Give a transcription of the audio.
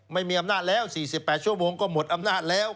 ไม่มีอำนาจแล้ว๔๘ชั่วโมงก็หมดอำนาจแล้ว